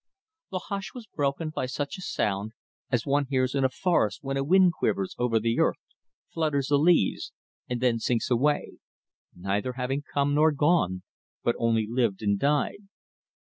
The hush was broken by such a sound as one hears in a forest when a wind quivers over the earth, flutters the leaves, and then sinks away neither having come nor gone, but only lived and died.